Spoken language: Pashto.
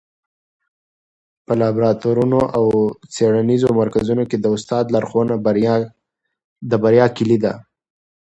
په لابراتوارونو او څېړنیزو مرکزونو کي د استاد لارښوونه د بریا کيلي ده.